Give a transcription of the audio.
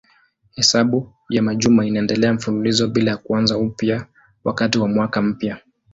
Hesabu ya majuma inaendelea mfululizo bila ya kuanza upya wakati wa mwaka mpya.